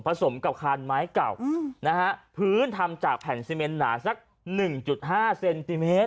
ผสมกับคานไม้เก่านะฮะพื้นทำจากแผ่นเซเมนหนาสัก๑๕เซนติเมตร